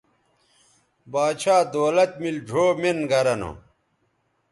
باچھا دولت میل ڙھؤ مِن گرہ نو